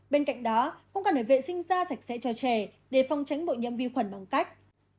bên cạnh đó cũng cần phải vệ sinh da sạch sẽ cho trẻ để phong tránh bội nhiễm vi khuẩn bằng cách